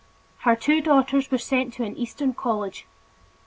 Her two daughters were sent to an eastern college.